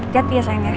jadi ya sayang ya